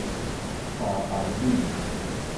三安里